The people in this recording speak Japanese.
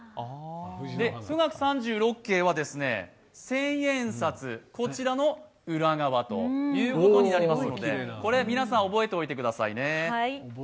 富嶽三十六景は千円札、こちらの裏側ということになりますので皆さん覚えておいてくださいね。